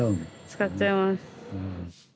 使っちゃいます。